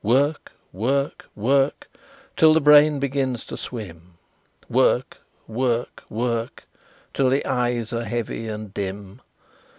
"Work work work Till the brain begins to swim; Work work work Till the eyes are heavy and dim!